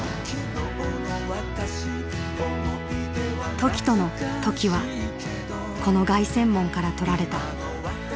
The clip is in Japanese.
凱人の「凱」はこの凱旋門からとられた。